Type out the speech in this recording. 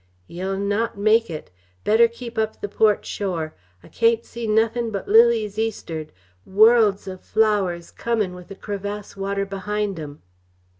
"Yeh'll not make it. Better keep up the port shore. I cain't see nothin' but lilies east'ard worlds o'flowers comin' with the crevasse water behind 'em."